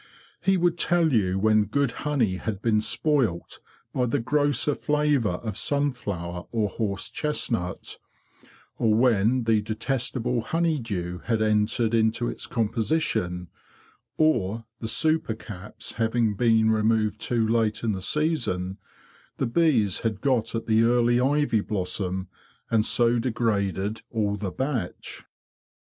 He would tell you when good honey had been spoilt by the grosser flavour of sunflower or horse chestnut; or when the detestable honey dew had entered into its composition; or, the super caps having been removed too late in the 48 THE BEE MASTER OF WARRILOW season, the bees had got at the early ivy blossom, and so degraded all the batch.